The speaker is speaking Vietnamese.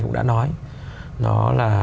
cũng đã nói nó là